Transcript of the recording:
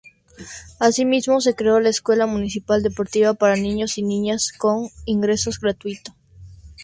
Asimismo se creó la Escuela Municipal Deportiva para Niños y Niñas, con ingreso gratuito.